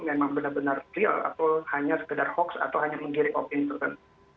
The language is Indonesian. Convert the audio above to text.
memang benar benar real atau hanya sekedar hoax atau hanya menggiring opini tertentu